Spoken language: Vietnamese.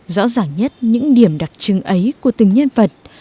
rõ ràng nhất những điểm đặc trưng ấy của từng nhân vật